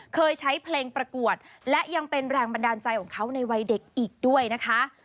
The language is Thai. เคยใช้เพลงประกวดและยังเป็นแรงบันดาลใจของเขาในวัยเด็กอีกด้วยนะคะ